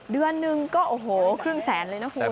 เดือนหนึ่งก็โอ้โหครึ่งแสนเลยนะคุณ